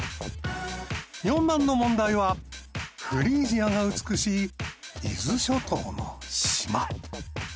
４番の問題はフリージアが美しい伊豆諸島の島。